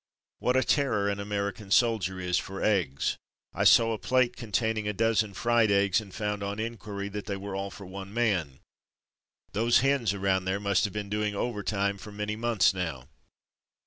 What a terror an American soldier is for eggs! I saw a plate containing a dozen fried eggs, and found on inquiry that they were all for one man. Those hens around there must have been doing overtime for many months now.